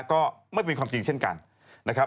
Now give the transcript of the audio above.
ก็ไม่เป็นความจริงเช่นกันนะครับ